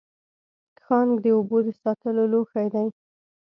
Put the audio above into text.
ښانک د اوبو د ساتلو لوښی دی